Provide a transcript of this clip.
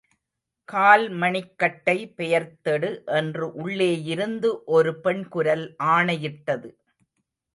கால் மணிக்கட்டை பெயர்த்தெடு என்று உள்ளேயிருந்து ஒரு பெண்குரல் ஆணையிட்டது.